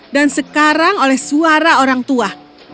dan sekarang oleh suara orang tua